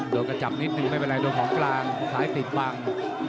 กระจับนิดนึงไม่เป็นไรโดนของกลางซ้ายติดบัง